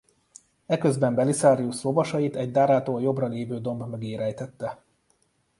Eközben Belisarius lovasait egy Darától jobbra lévő domb mögé rejtette.